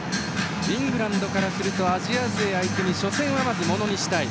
イングランドからするとアジア勢相手に初戦はものにしたい。